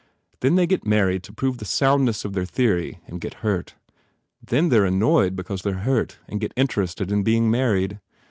Then they get married to prove the soundness of their theory and get hurt; then they re annoyed because they re hurt and get in terested in being married.